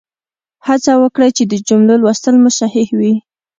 هڅه وکړئ چې د جملو لوستل مو صحیح وي.